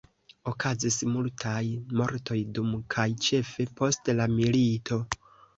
Okazis multaj mortoj dum kaj ĉefe post la milito.